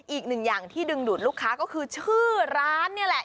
อีกหนึ่งอย่างที่ดึงดูดลูกค้าก็คือชื่อร้านนี่แหละ